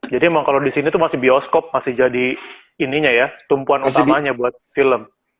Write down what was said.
jadi emang kalau di sini tuh masih bioskop masih jadi ininya ya tumpuan utamanya buat film